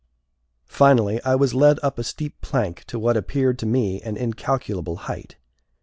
Finally, I was led up a steep plank to what appeared to me an incalculable height.